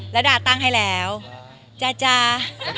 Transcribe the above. แล้วดาตั้งให้แล้วจาจา